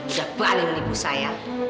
udah balik menipu saya